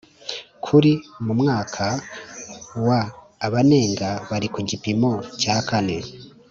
kuri mu mwaka wa Abanenga bari ku gipimo cya kane